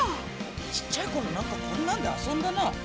ちっちゃいころなんかこんなんで遊んだな。